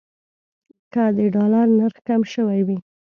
که د ډالر نرخ کم شوی وي.